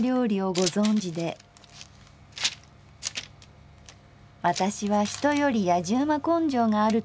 「私は人より野次馬根性があると思うんですよ。